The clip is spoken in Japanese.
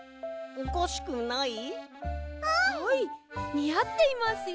にあっていますよ。